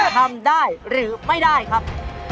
ทำได้หรือไม่ได้ครับ